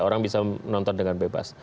orang bisa menonton dengan bebas